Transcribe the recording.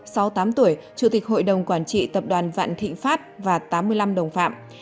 sau sáu mươi tám tuổi chủ tịch hội đồng quản trị tập đoàn vạn thịnh pháp và tám mươi năm đồng phạm